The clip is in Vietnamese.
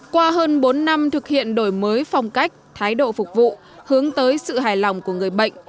qua hơn bốn năm thực hiện đổi mới phong cách thái độ phục vụ hướng tới sự hài lòng của người bệnh